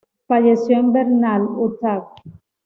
Falleció en Vernal, Utah.